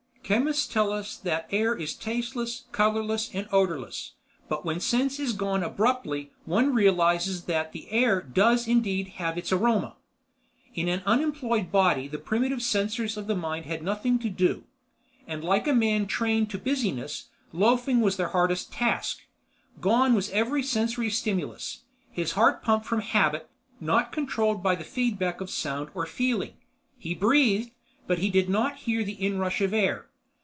Chemists tell us that air is tasteless, colorless, and odorless, but when sense is gone abruptly one realizes that the air does indeed have its aroma. In an unemployed body the primitive sensors of the mind had nothing to do, and like a man trained to busy ness, loafing was their hardest task. Gone was every sensory stimulus. His heart pumped from habit, not controlled by the feedback of sound or feeling. He breathed, but he did not hear the inrush of air.